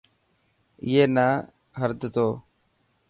اي نا هرد تو.